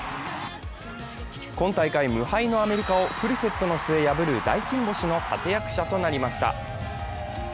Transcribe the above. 今大会無敗のアメリカをフルセットの末破る大金星の立役者となりました。